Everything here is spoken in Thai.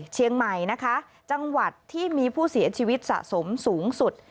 เชียงใหม่นะคะจังหวัดที่มีผู้เสียชีวิตสะสมสูงสุด